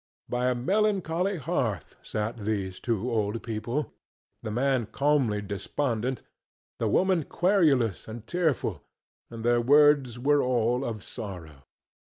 By a melancholy hearth sat these two old people, the man calmly despondent, the woman querulous and tearful, and their words were all of sorrow.